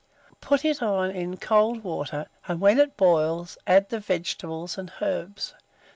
Put it on in cold water, and when it boils, add the vegetables and herbs.